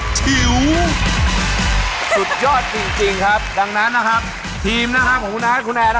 บ่นทุกเรื่องเลยอ่ะ